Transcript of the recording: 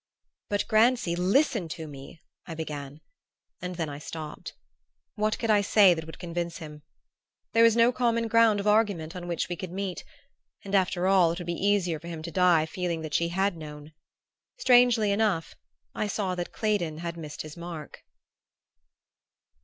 "But, Grancy, listen to me," I began; and then I stopped. What could I say that would convince him? There was no common ground of argument on which we could meet; and after all it would be easier for him to die feeling that she had known. Strangely enough, I saw that Claydon had missed his mark....